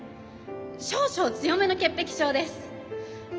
少々強めの潔癖症です。